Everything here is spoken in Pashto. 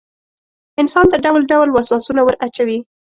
انسان ته ډول ډول وسواسونه وراچوي.